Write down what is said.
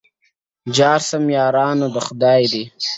جار سم یاران خدای دي یې مرگ د یوه نه راویني.